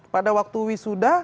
pada waktu wisuda